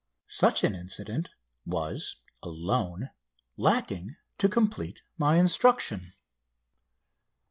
Such an incident was alone lacking to complete my instruction.